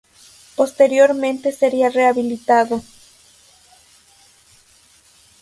Posteriormente sería rehabilitado.